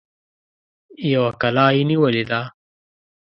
يوه کلا يې نيولې ده.